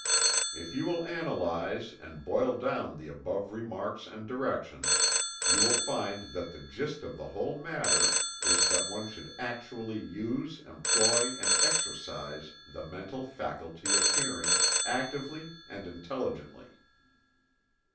If you will analyze, and boil down the above remarks and directions, you will find that the gist of the whole matter is that one should actually use, employ and exercise the mental faculty of hearing, actively and intelligently.